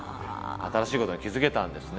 新しいことに気づけたんですね。